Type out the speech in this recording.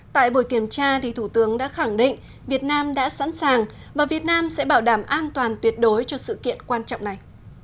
tại buổi kiểm tra thủ tướng đã khẳng định việt nam đã sẵn sàng và việt nam sẽ bảo đảm an toàn tuyệt đối cho sự kiện quan trọng này